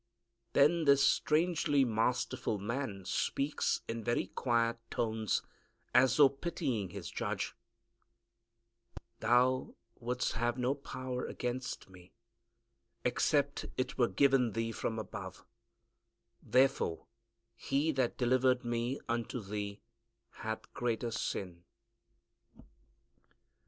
Then this strangely masterful Man speaks in very quiet tones, as though pitying His judge, "Thou wouldst have no power against Me, except it were given thee from above: therefore he that delivered Me unto thee hath greater sin."